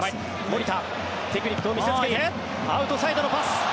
守田、テクニックを見せつけてアウトサイドのパス。